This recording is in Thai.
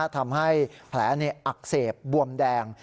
ทำให้แผลอักเสบบวมแดง